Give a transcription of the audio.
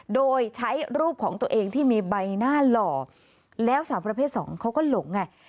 โดยใช้รูปของตัวเองที่มีใบหน้าหล่อแล้วสาวประเภทสองเขาก็หลงไง